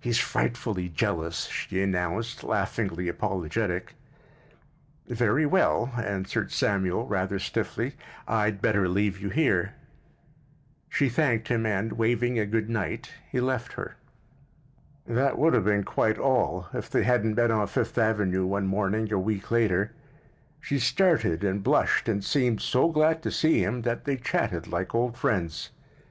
"He's frightfully jealous," she announced, laughingly apologetic. "Very well," answered Samuel, rather stiffly. "I'd better leave you here." She thanked him and, waving a good night, he left her. That would have been quite all if they hadn't met on Fifth Avenue one morning a week later. She started and blushed and seemed so glad to see him that they chatted like old friends.